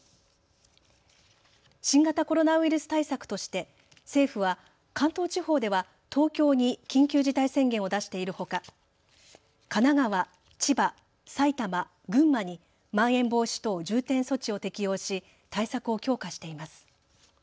新型コロナウイルス対策として政府は関東地方では東京に緊急事態宣言を出しているほか神奈川、千葉、埼玉、群馬にまん延防止等重点措置を適用し対策を強化しています。